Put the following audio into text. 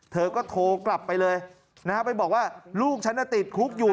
เธอก็โทรกลับไปเลยนะฮะไปบอกว่าลูกฉันติดคุกอยู่